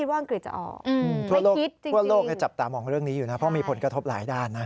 ทั่วโลกจะจับตามองเรื่องนี้อยู่นะครับเพราะมีผลกระทบหลายด้านนะ